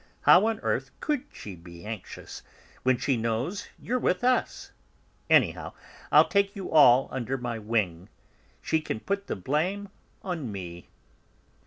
How on earth could she be anxious, when she knows you're with us? Anyhow, I'll take you all under my wing; she can put the blame on me."